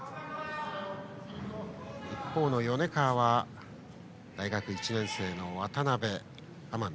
一方、米川は大学１年生の渡邉天海